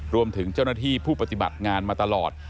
รวมถึงเจ้าหน้าที่ผู้ปฏิบัติงานมาตลอด